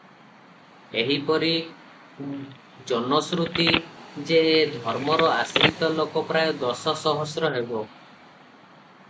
ଏହିପରି ଜନଶ୍ରୁତି ଯେ ଏ ଧର୍ମର ଆଶ୍ରିତ ଲୋକ ପ୍ରାୟ ଦଶ ସହସ୍ର ହେବ ।